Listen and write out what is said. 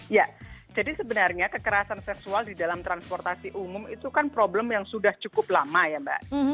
ya jadi sebenarnya kekerasan seksual di dalam transportasi umum itu kan problem yang sudah cukup lama ya mbak